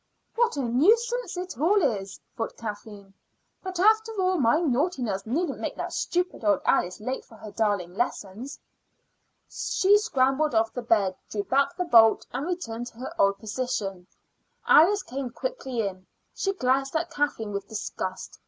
"What a nuisance it all is!" thought Kathleen. "But, after all, my naughtiness needn't make that stupid old Alice late for her darling lessons." She scrambled off the bed, drew back the bolt, and returned to her old position. Alice came quickly in. She glanced at Kathleen with disgust.